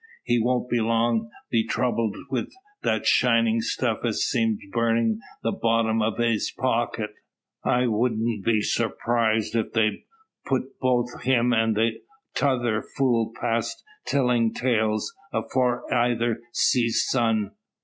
He won't long be throubled wid that shinin' stuff as seems burnin' the bottom out av his pocket. I wudn't be surrprized if they putt both him an' 'tother fool past tillin' tales afore ayther sees sun.